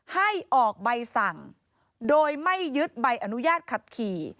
ให้ออกใบสั่งโดยไม่ยึดใบอนุญาตขับขี่